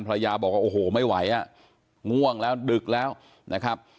ภรรยาบอกว่าโอ้โหไม่ไหวอ่ะง่วงแล้วดึกแล้วนะครับ